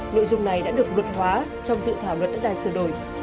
nội dung này đã được luật hóa trong dự thảo luật đất đai sửa đổi